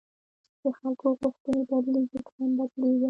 د خلکو غوښتنې بدلېږي، ته هم بدلېږه.